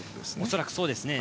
恐らくそうですね。